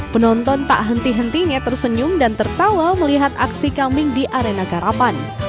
penonton tak henti hentinya tersenyum dan tertawa melihat aksi kambing di arena karapan